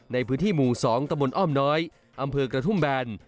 ในพื้นที่หมู่๒ตะบนอ้อมน้อยอำเภอกระทุ่มแบน